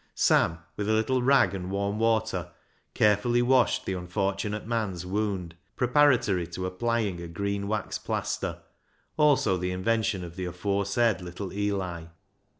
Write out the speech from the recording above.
Sam, with a little rag and warm water, carefully washed the unfor tunate man's wound, preparatory to applying a green wax plaster — also the invention of the aforesaid little Eli.